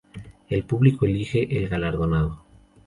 El público elige el galardonado.